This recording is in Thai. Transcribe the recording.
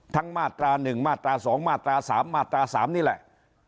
ทั้งมาตราหนึ่งมาตราสองมาตราสามมาตราสามนี่แหละ